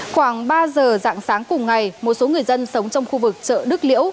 khoảng ba giờ dạng sáng cùng ngày một số người dân sống trong khu vực chợ đức liễu